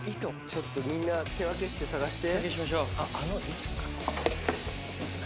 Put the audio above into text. ちょっとみんな手分けして探して。